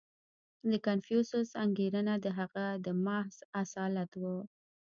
• د کنفوسیوس انګېرنه د هغه د محض اصالت وه.